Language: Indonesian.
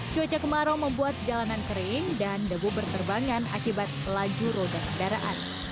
cuaca kemarau membuat jalanan kering dan debu berterbangan akibat pelaju roda kendaraan